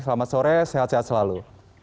selamat sore sehat sehat selalu